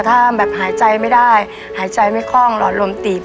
ถ้าแบบหายใจไม่ได้หายใจไม่คล่องหลอดลมตีบ